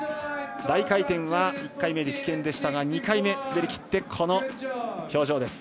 大回転は１回目で棄権でしたが２回目、滑りきってこの表情。